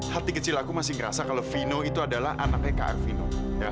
hati kecil aku masih ngerasa kalau vino itu adalah anaknya kak arvino